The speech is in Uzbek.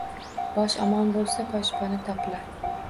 Bosh omon boʻlsa boshpana topilar